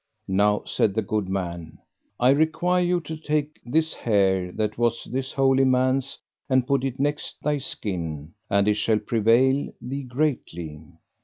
Now, said the good man, I require you take this hair that was this holy man's and put it next thy skin, and it shall prevail thee greatly.